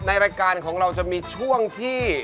รายการของเราจะมีช่วงที่